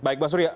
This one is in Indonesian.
baik bang surya